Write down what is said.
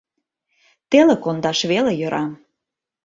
Теле кондаш веле йӧра.